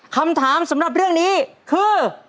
คำถามสำหรับเรื่องนี้คือ